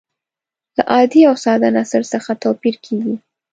له عادي او ساده نثر څخه توپیر کیږي.